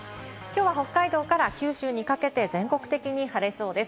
きょうは北海道から九州にかけて全国的に晴れそうです。